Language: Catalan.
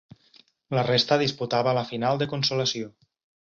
La resta disputava la final de consolació.